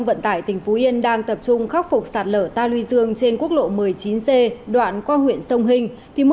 với lại đi làm thì công việc cũng cứ ngày làm ngày nghỉ